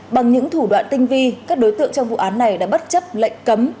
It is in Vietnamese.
bằng những thủ đoạn tinh vi các đối tượng trong vụ án này đã bất chấp lệnh cấm